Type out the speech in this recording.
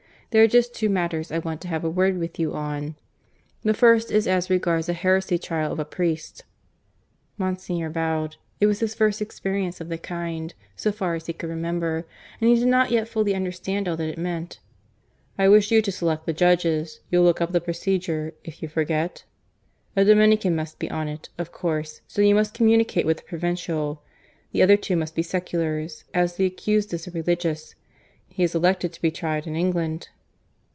There are just two matters I want to have a word with you on. The first is as regards a heresy trial of a priest." Monsignor bowed. It was his first experience of the kind, so far as he could remember; and he did not yet fully understand all that it meant. "I wish you to select the judges. You'll look up the procedure, if you forget? A Dominican must be on it, of course; so you must communicate with the Provincial. The other two must be seculars, as the accused is a Religious. He has elected to be tried in England."